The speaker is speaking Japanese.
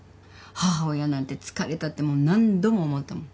母親なんて疲れたってもう何度も思ったもん。